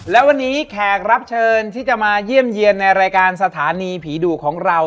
และวันนี้แขกรับเชิญที่จะมาเยี่ยมเยี่ยมในรายการสถานีผีดุของเรา